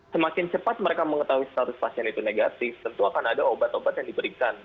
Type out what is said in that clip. semakin cepat mereka mengetahui status pasien itu negatif tentu akan ada obat obat yang diberikan